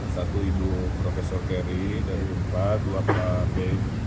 satu ibu prof keri dari umpah dua pak beg